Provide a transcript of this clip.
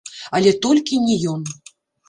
Але толькі не ён.